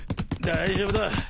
大丈夫だ。